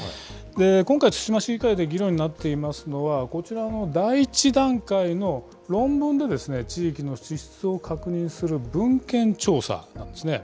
今回、対馬市議会で議論になっていますのは、こちらの第１段階の論文で、地域の地質を確認する文献調査なんですね。